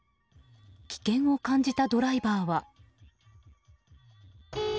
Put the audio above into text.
危険を感じたドライバーは。